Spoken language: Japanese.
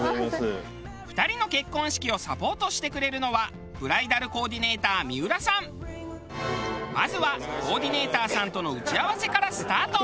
２人の結婚式をサポートしてくれるのはまずはコーディネーターさんとの打ち合わせからスタート。